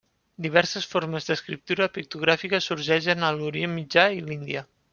Diverses formes d'escriptura pictogràfica sorgeixen a Orient Mitjà i l'Índia.